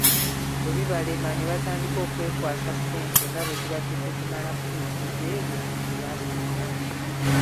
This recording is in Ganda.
Bwe bibalema ne batandika okwekwasa ssente nga bwezibadde tezimala kutuukiriza ebyo byebaasuubiza.